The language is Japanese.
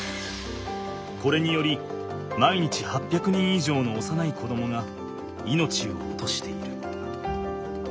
これにより毎日８００人以上の幼い子どもが命を落としている。